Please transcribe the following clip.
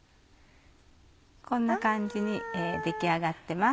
こんな感じに出来上がってます。